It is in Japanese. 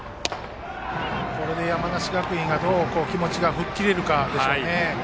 これで山梨学院はどう気持ちが吹っ切れるかですね。